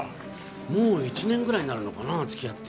もう１年ぐらいになるのかな付き合って。